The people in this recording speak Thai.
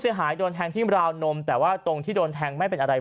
หายโดนแทงที่ราวนมแต่ว่าตรงที่โดนแทงไม่เป็นอะไร